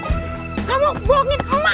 kamu bohongin emak